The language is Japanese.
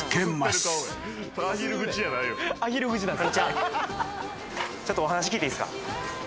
ちょっとお話聞いていいですか？